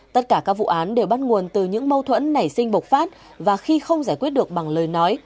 tất cả các vụ án đều bắt nguồn từ những mâu thuẫn nảy sinh bộc phát và khi không giải quyết được bằng lời nói